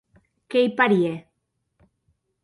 Qu'ei parièr.